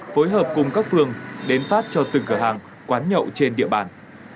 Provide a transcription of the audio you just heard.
phối hợp cùng các phường đến phát cho từng cửa hàng quán nhậu trên địa bàn